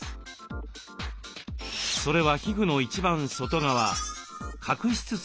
それは皮膚の一番外側角質層。